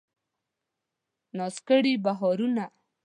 ناز کړي بهارونه